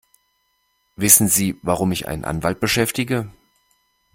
Wissen Sie, warum ich einen Anwalt beschäftige?